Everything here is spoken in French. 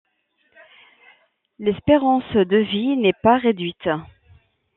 L'espérance de vie n'est pas réduite.